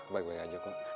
baik baik aja kok